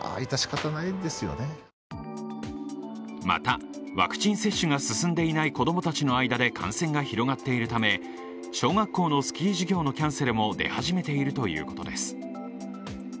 また、ワクチン接種が進んでいない子供たちの間で感染が広がっているため、小学校のスキー授業のキャンセルも出始めているということです。